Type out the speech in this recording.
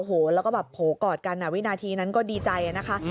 โอ้โหแล้วก็แบบโผล่กอดกันวินาทีนั้นก็ดีใจนะคะ